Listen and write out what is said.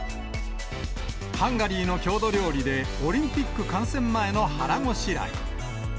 ハンガリーの郷土料理で、オリンピック観戦前の腹ごしらえ。